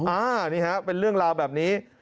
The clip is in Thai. อันนี้ฮะเป็นเรื่องราวแบบนี้